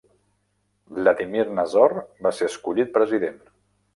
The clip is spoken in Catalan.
Vladimir Nazor va ser escollit president.